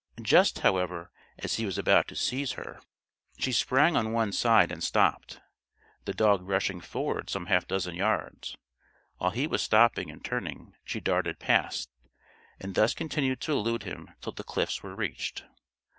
Just, however, as he was about to seize her, she sprang on one side and stopped, the dog rushing forward some half dozen yards. While he was stopping and turning, she darted past, and thus continued to elude him till the cliffs were reached.